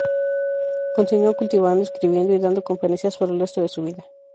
Continuó cultivando, escribiendo y dando conferencias por el resto de su vida.